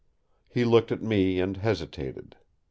He looked at me and hesitated.